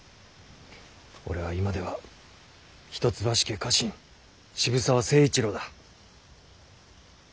俺は今では一橋家家臣渋沢成一郎だ。